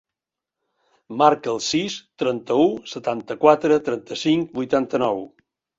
Marca el sis, trenta-u, setanta-quatre, trenta-cinc, vuitanta-nou.